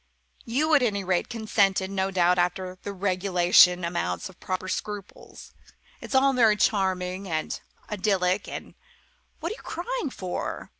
You, at any rate, consented, no doubt after the regulation amount of proper scruples. It's all very charming and idyllic and what are you crying for?